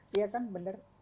dia kan benar